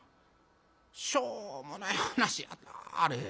しょうもない噺やなあれ。